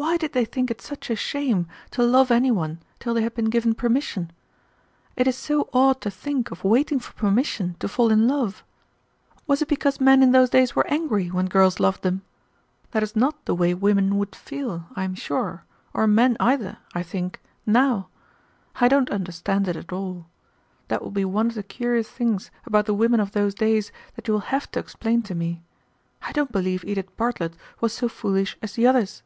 Why did they think it such a shame to love any one till they had been given permission? It is so odd to think of waiting for permission to fall in love. Was it because men in those days were angry when girls loved them? That is not the way women would feel, I am sure, or men either, I think, now. I don't understand it at all. That will be one of the curious things about the women of those days that you will have to explain to me. I don't believe Edith Bartlett was so foolish as the others."